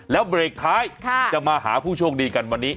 แล้วเบรกท้ายจะมาหาผู้โชคดีกันวันนี้